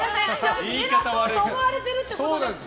偉そうと思われてるってことですか？